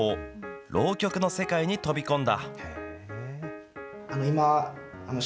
浪曲の世界に飛び込んだ。